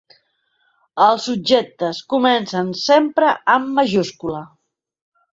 Els objectes comencen sempre amb majúscula.